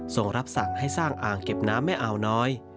ส่งรับสั่งให้สร้างอ่างเก็บน้ำแม่อาวน้อย